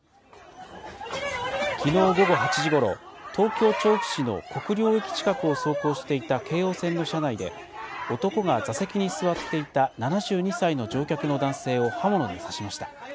きのう午後８時ごろ、東京・調布市の国領駅近くを走行していた京王線の車内で、男が座席に座っていた７２歳の乗客の男性を刃物で刺しました。